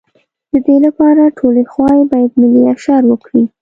د دې لپاره ټولې خواوې باید ملي اشر وکړي.